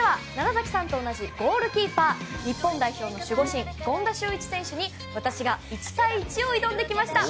楢崎さんと同じゴールキーパー日本代表の守護神権田修一選手に私が１対１を挑んできました。